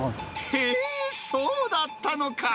へー、そうだったのか。